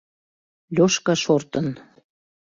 — Лёшка шортын.